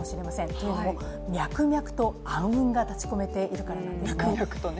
というのも、脈々と暗雲が立ちこめているからなんですね。